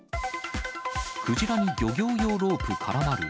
クジラに漁業用ロープ絡まる。